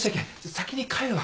先に帰るわ。